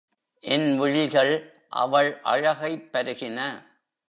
என் விழிகள் அவள் அழகைப் பருகின.